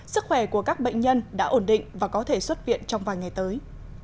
sức khỏe của các bệnh nhân đã ổn định và có thể xuất viện trong vài ngày tới